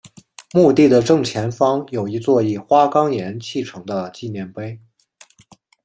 墓地的正前方有一座以花岗岩砌成的纪念碑。